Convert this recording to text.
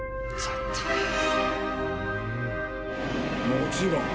「もちろん」。